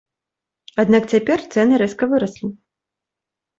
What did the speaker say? Аднак цяпер цэны рэзка выраслі.